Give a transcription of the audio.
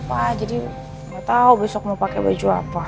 apa jadi gak tau besok mau pakai baju apa